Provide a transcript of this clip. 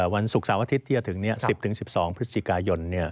วันศุกร์เสาร์อาทิตย์ที่จะถึง๑๐๑๒พฤศจิกายน